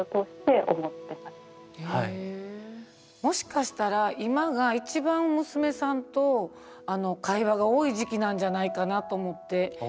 もしかしたら今が一番娘さんと会話が多い時期なんじゃないかなと思って。